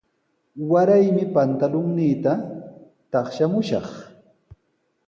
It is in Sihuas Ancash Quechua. Waraymi pantulunniita taqshamushaq.